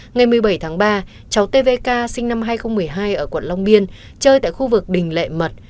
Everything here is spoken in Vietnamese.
ngày một mươi bảy tháng ba cháu tvk sinh năm hai nghìn một mươi hai ở quận long biên chơi tại khu vực đình lệ mật